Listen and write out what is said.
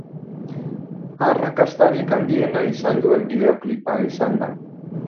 Arrakastarik handiena izan duen bideoklipa izan da.